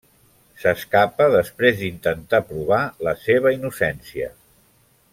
S'escapa després d'intentar provar la seva innocència.